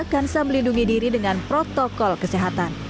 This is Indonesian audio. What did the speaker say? kansa melindungi diri dengan protokol kesehatan